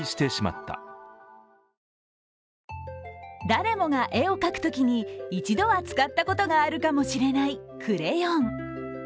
誰もが描くときに一度は使ったことがあるかもしれないクレヨン。